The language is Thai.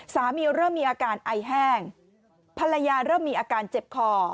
เริ่มมีอาการไอแห้งภรรยาเริ่มมีอาการเจ็บคอ